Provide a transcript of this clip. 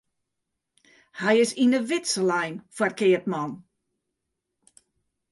Hy is yn 'e widze lein foar keapman.